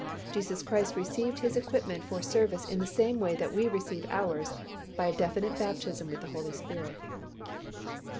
Jesus Christ received His equipment for service in the same way that we receive ours by a definite baptism with the Holy Spirit.